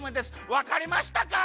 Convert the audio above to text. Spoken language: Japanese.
わかりましたか？